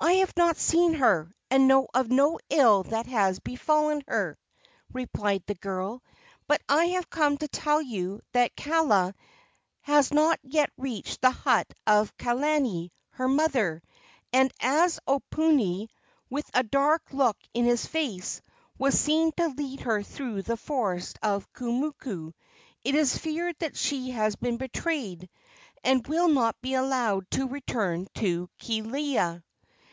"I have not seen her, and know of no ill that has befallen her," replied the girl; "but I have come to tell you that Kaala has not yet reached the hut of Kalani, her mother; and as Oponui, with a dark look in his face, was seen to lead her through the forest of Kumoku, it is feared that she has been betrayed and will not be allowed to return to Kealia."